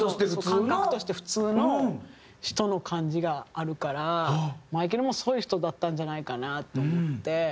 感覚として普通の人の感じがあるからマイケルもそういう人だったんじゃないかなと思って。